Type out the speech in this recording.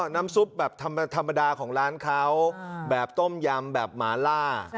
น้ำซุปแบบธรรมดาของร้านเขาแบบต้มยำแบบหมาล่า